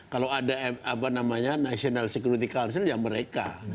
kalau ada apa namanya national security council ya mereka